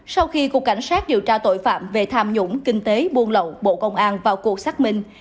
sau khi cục cảnh sát điều tra tội phạm về tham nhũng kinh tế buôn lậu bộ công an vào cuộc xác minh